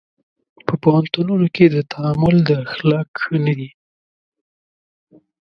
په پوهنتونونو کې د تعامل اخلاق ښه نه دي.